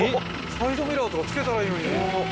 サイドミラーとか付けたらいいのに。